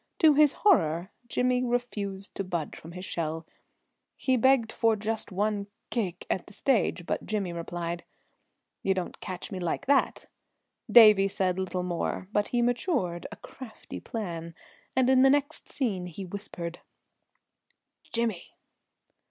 To his horror Jimmy refused to budge from his shell. He begged for just one "keek" at the stage, but Jimmy replied: "You don't catch me like that." Davie said little more, but he matured a crafty plan, and in the next scene he whispered: "Jimmy!"